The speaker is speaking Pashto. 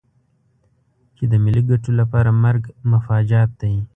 چې د ملي ګټو لپاره مرګ مفاجات دی.